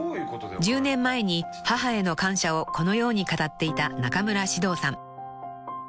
［１０年前に母への感謝をこのように語っていた中村獅童さん］